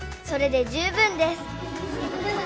それで十分です